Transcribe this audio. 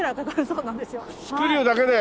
スクリューだけで！？